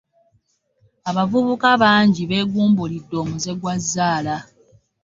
Abavubuka bangi beegumbulidde omuze gwa zzaala.